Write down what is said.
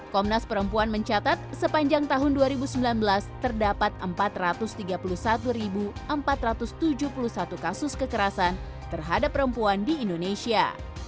komnas perempuan mencatat sepanjang tahun dua ribu sembilan belas terdapat empat ratus tiga puluh satu empat ratus tujuh puluh satu kasus kekerasan terhadap perempuan di indonesia